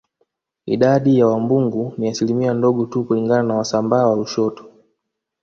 Idadi ya Wambugu ni asilimia ndogo tu kulingana na Wasambaa wa Lushoto